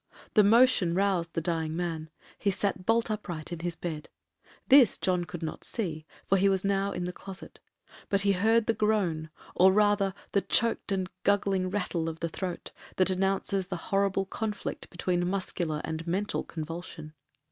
The motion roused the dying man;—he sat bolt upright in his bed. This John could not see, for he was now in the closet; but he heard the groan, or rather the choaked and guggling rattle of the throat, that announces the horrible conflict between muscular and mental convulsion.